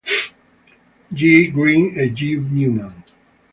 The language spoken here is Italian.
G. Greene e G. Newman.